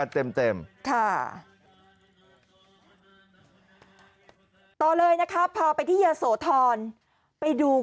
ต่อเลยนะครับพอไปยศโทนไปดู